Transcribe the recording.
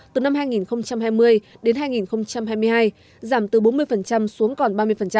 từ năm hai nghìn hai mươi đến hai nghìn hai mươi hai giảm từ bốn mươi xuống còn ba mươi